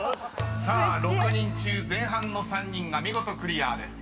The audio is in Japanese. ［さあ６人中前半の３人が見事クリアです。